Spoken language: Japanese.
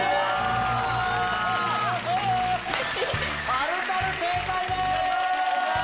「タルタル」正解です！